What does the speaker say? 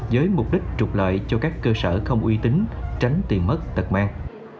với mục đích trục lợi cho các cơ sở không uy tín tránh tiền mất tật mang